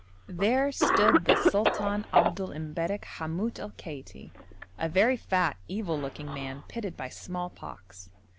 There stood the Sultan Abdul M'Barrek Hamout al Kaiti, a very fat, evil looking man, pitted by smallpox.